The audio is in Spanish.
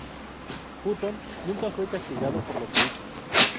Hutton nunca fue castigado por lo que hizo.